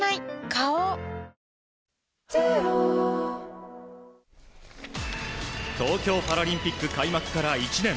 花王東京パラリンピック開幕から１年。